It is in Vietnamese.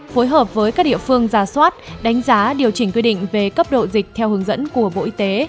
phối hợp với các địa phương giả soát đánh giá điều chỉnh quy định về cấp độ dịch theo hướng dẫn của bộ y tế